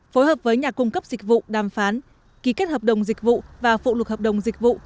phối hợp với nhà cung cấp dịch vụ đàm phán ký kết hợp đồng dịch vụ và phụ lục hợp đồng dịch vụ